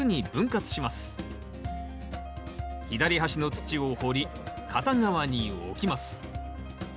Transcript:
左端の土を掘り片側に置きます。